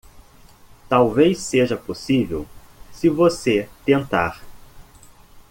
Talvez seja possível, se você tentar